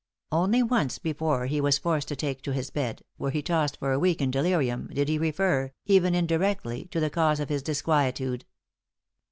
Only once before he was forced to take to his bed, where he tossed for a week in delirium, did he refer, even indirectly, to the cause of his disquietude.